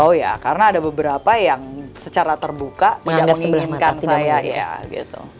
oh ya karena ada beberapa yang secara terbuka tidak menginginkan saya gitu